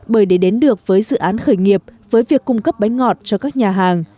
bởi để đến được với dự án khởi nghiệp với việc cung cấp bánh ngọt cho các nhà hàng